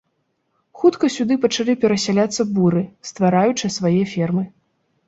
Хутка сюды пачалі перасяляцца буры, ствараючы свае фермы.